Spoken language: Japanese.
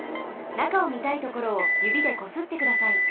中をみたいところをゆびでこすってください。